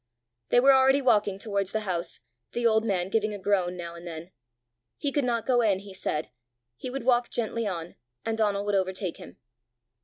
They were already walking towards the house, the old man giving a groan now and then. He could not go in, he said; he would walk gently on, and Donal would overtake him.